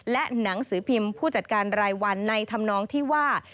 และหนังสือพิมพ์ผู้จัดการรายวันในธรรมนองที่ว่า